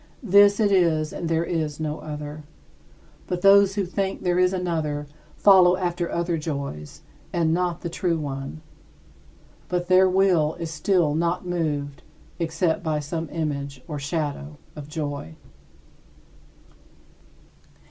This it is and there is no other. But those who think there is another follow after other joys, and not the true one. But their will is still not moved except by some image or shadow of joy.